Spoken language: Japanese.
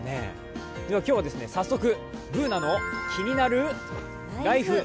今日は早速、「ＢｏｏｎａのキニナルＬＩＦＥ」。